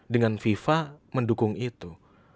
dengan fifa mendukung itu